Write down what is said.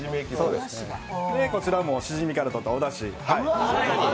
こちらもしじみからとったおだし。